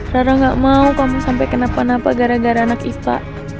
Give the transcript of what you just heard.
rara gak mau kamu sampai kenapa napa gara gara anak ispa